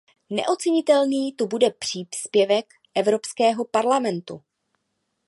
Neocenitelný tu bude příspěvek Evropského parlamentu.